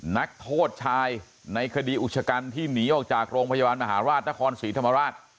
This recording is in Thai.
นักโทษชายในคดีอุกชกันที่หนีออกจากโรงพยาบาลมหาราชนครศรีธรรมราช